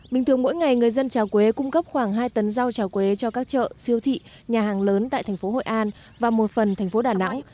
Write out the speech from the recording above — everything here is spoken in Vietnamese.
bình thường mỗi ngày người dân trà quế cung cấp khoảng hai tấn rau trà quế cho các chợ siêu thị nhà hàng lớn tại thành phố hội an và một phần thành phố đà nẵng